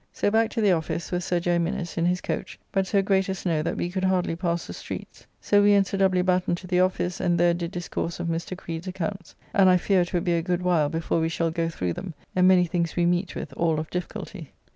So back to the office with Sir J. Minnes, in his coach, but so great a snow that we could hardly pass the streets. So we and Sir W. Batten to the office, and there did discourse of Mr. Creed's accounts, and I fear it will be a good while before we shall go through them, and many things we meet with, all of difficulty.